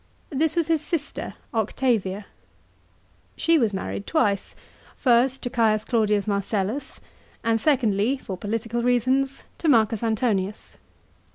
This was his sister Octavia. She was married twice, first to C. Claudius Marcellus, and secondly, for political reasons, to M. Antonius.